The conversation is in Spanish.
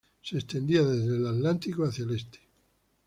Se extendía desde el Atlántico hacia el este.